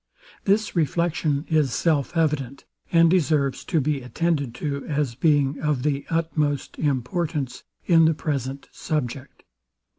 This reflection is self evident, and deserves to be attended to, as being of the utmost importance in the present subject.